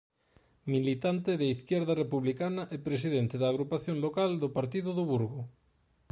Militante de Izquierda Republicana e presidente da agrupación local do partido do Burgo.